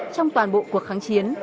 trong toàn bộ cuộc kháng chiến